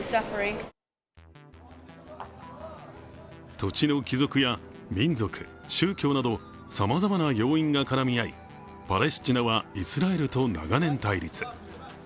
土地の帰属や民族、宗教などさまざまな要因が絡み合いパレスチナはイスラエルと長年対立。